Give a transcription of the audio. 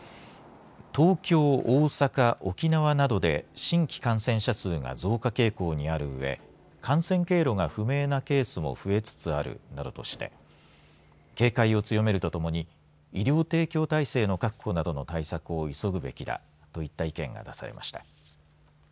東京、大阪、沖縄などで新規感染者数が増加傾向にあるうえ感染経路が不明なケースも増えつつあるなどとして警戒を強めるとともに医療提供体制の確保などの対策を急ぐべきだといった意見が出されました。